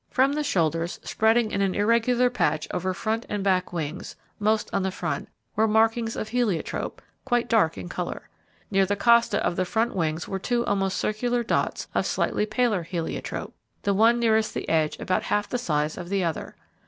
From the shoulders spreading in an irregular patch over front and back wings, most on the front, were markings of heliotrope, quite dark in colour: Near the costa of the front wings were two almost circular dots of slightly paler heliotrope, the one nearest the edge about half the size of the other.